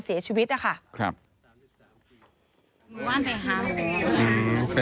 พ่อพูดว่าพ่อพูดว่าพ่อพูดว่า